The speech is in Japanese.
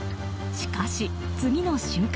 しかし、次の瞬間。